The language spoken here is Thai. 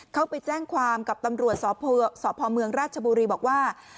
เขาไปแจ้งความกับตำรวจสพเมืองราชบุรีบอกว่า